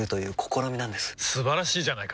素晴らしいじゃないか！